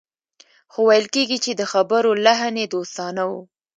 خو ويل کېږي چې د خبرو لحن يې دوستانه و.